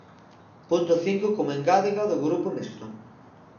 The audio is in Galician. Punto cinco como engádega do Grupo Mixto.